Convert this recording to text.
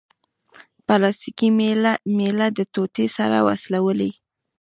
پلاستیکي میله د ټوټې سره وسولوئ.